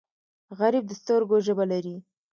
غریب د سترګو ژبه لري